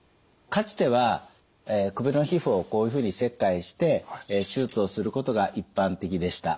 かつては首の皮膚をこういうふうに切開して手術をすることが一般的でした。